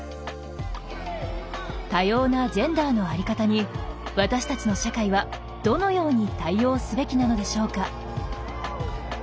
多様なジェンダーの在り方に私たちの社会はどのように対応すべきなのでしょうか。